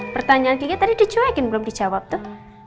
pertanyaan gigi tadi dicuekin belum dijawab tuh